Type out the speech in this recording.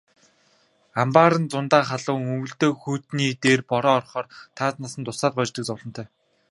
Амбаар нь зундаа халуун, өвөлдөө хүйтний дээр бороо орохоор таазнаас нь дусаал гоождог зовлонтой.